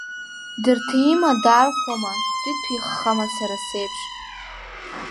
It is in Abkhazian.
Дырҭима, даархәама, дтәитәыххама сара сеиԥш?